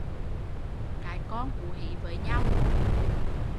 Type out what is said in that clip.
Cái con hú hí với nhau